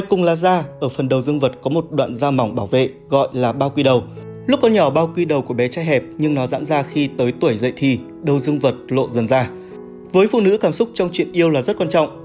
các phụ nữ cảm xúc trong chuyện yêu là rất quan trọng